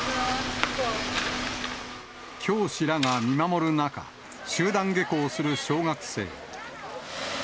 教師らが見守る中、集団下校する小学生。